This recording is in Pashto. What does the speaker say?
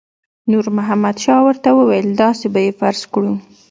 نور محمد شاه ورته وویل داسې به یې فرض کړو.